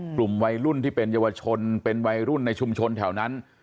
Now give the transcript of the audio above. กลุ่มวัยรุ่นที่เป็นเยาวชนเป็นวัยรุ่นในชุมชนแถวนั้น